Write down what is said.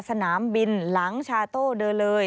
สนามบินหลังชาโต้เดินเลย